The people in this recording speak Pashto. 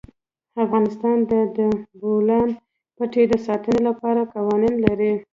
افغانستان د د بولان پټي د ساتنې لپاره قوانین لري.